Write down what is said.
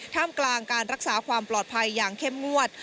มกลางการรักษาความปลอดภัยอย่างเข้มงวด